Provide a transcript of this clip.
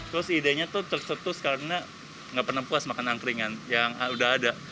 terus idenya tuh cek cek cek karena gak pernah puas makan angkringan yang udah ada